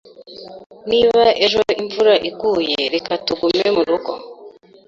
Niba ejo imvura iguye, reka tugume murugo.